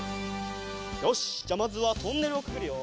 よしじゃあまずはトンネルをくぐるよ。